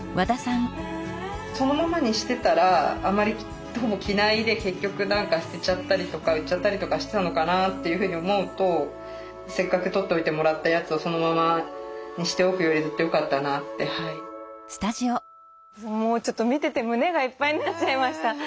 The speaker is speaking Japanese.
そのままにしてたらあまりほぼ着ないで結局捨てちゃったりとか売っちゃったりとかしてたのかなというふうに思うとせっかく取っといてもらったやつをもうちょっと見てて胸がいっぱいになっちゃいました。